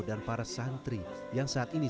dan para santri yang saat ini